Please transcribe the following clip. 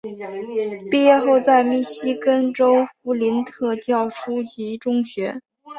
毕业后在密西根州弗林特教初级中学。